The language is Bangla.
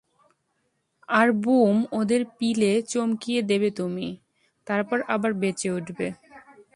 আর বুম, ওদের পিলে চমকিয়ে দেবে তুমি, তারপর আবার বেঁচে উঠবে।